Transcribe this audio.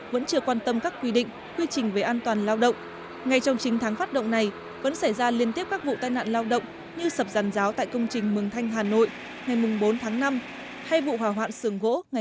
vẫn chưa quan tâm các quy định quy trình về an toàn lao động mới được tập trung chủ yếu ở các doanh nghiệp lớn